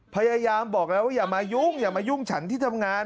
พยายามบอกแล้วว่าอย่ามายุ่งอย่ามายุ่งฉันที่ทำงาน